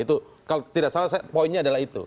itu kalau tidak salah poinnya adalah itu